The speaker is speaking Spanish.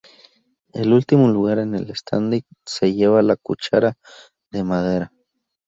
El último lugar en el standing se lleva la cuchara de madera.